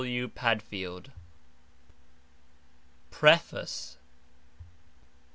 W. W. PADFIELD. PREFACE.